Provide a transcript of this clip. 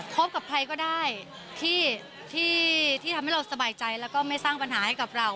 กับใครก็ได้ที่ทำให้เราสบายใจแล้วก็ไม่สร้างปัญหาให้กับเรา